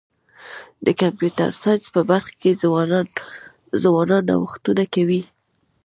د کمپیوټر ساینس په برخه کي ځوانان نوښتونه کوي.